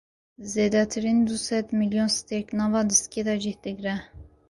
Zêdetirîn du sed mîlyon stêrk nava dîskê de cih digire.